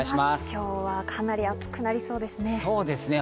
今日はかなり暑くなりそうですね。